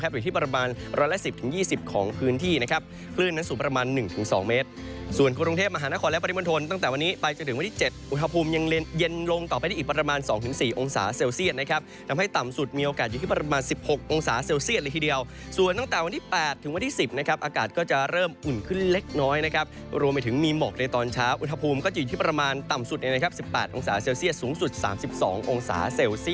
ครับอยู่ที่ประมาณร้อยละสิบถึงยี่สิบของพื้นที่นะฮะ